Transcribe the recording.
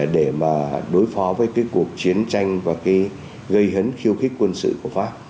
để đối phó với cuộc chiến tranh và gây hấn khiêu khích quân sự của pháp